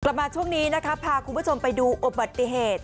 มาช่วงนี้นะคะพาคุณผู้ชมไปดูอุบัติเหตุ